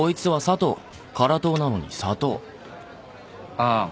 ああ。